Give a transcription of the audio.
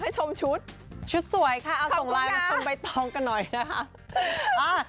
ชุดสวยค่ะค่ะเอาลายมาชมไปต้องกันหน่อยนะคะ